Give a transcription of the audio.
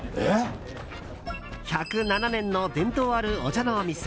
１０７年の伝統あるお茶のお店。